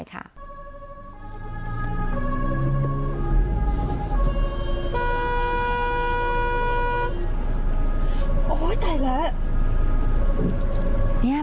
โอ้ยไกลแล้ว